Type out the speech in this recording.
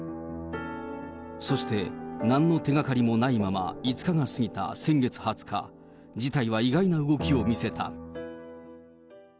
そして、なんの手がかりもないまま、５日が過ぎた先月２０日、事態は意外な動きを見せた。